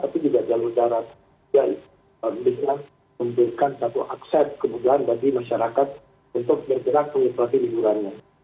jadi pergerakan membutuhkan satu akses kemudahan bagi masyarakat untuk bergerak mengikuti pergerakan